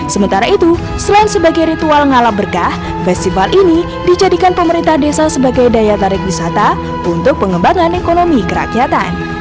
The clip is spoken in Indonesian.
sementara itu selain sebagai ritual ngalap berkah festival ini dijadikan pemerintah desa sebagai daya tarik wisata untuk pengembangan ekonomi kerakyatan